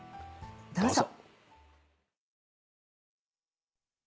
どうぞ。